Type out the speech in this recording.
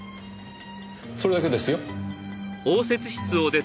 それだけですよ。